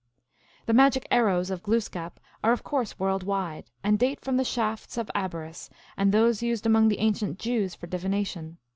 The magic arrows of Glooskap are of course world wide, and date from the shafts of Abaris and those used among the ancient Jews for divination.